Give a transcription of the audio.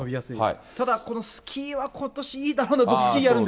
ただこのスキーはことしいいだろうな。